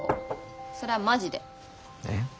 それはマジで。え？